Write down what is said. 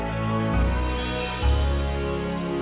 ibu aku ingin menangin aku